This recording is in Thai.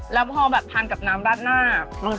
แล้วพอแบบทานกับน้ำราดหน้า